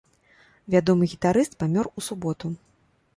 Вядомы гітарыст памёр у суботу.